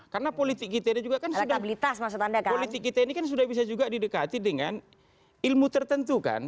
karena politik kita ini juga kan sudah bisa didekati dengan ilmu tertentu kan